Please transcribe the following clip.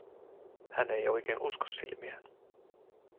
Hän ei oikein usko silmiään.